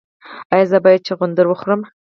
ایا زه باید چغندر وخورم؟